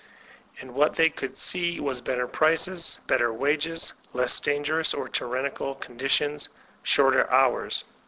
And what they could see was better prices, better wages, less dangerous or tyrannical conditions, shorter hours.